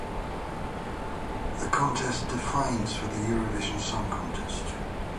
The contest defines for the Eurovision Song Contest.